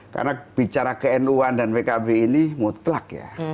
karena bicara knu an dan pkb ini mutlak ya